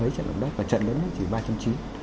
ba mươi trận động đất và trận lớn chỉ ba chín